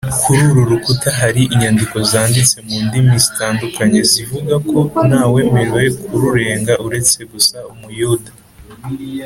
. Kuri uru rukuta hari inyandiko zanditse mu ndimi zitandukanye, zivuga ko nta wemerewe kururenga uretse gusa Umuyuda